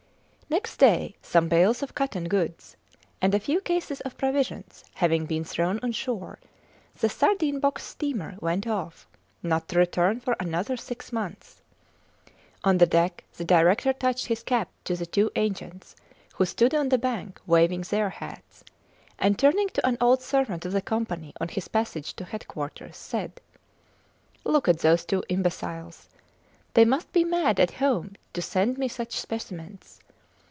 Next day, some bales of cotton goods and a few cases of provisions having been thrown on shore, the sardine box steamer went off, not to return for another six months. On the deck the director touched his cap to the two agents, who stood on the bank waving their hats, and turning to an old servant of the Company on his passage to headquarters, said, Look at those two imbeciles. They must be mad at home to send me such specimens.